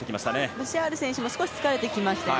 ブシャール選手も少し疲れてきましたよね。